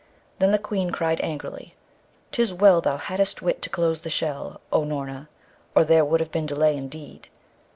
Then the Queen cried angrily, ''Tis well thou hadst wit to close the shell, O Noorna, or there would have been delay indeed.